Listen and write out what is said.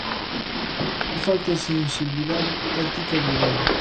Que falta de sensibilidade, ética e vergoña.